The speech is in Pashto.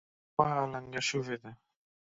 زمونږ غوا لنګه شوې ده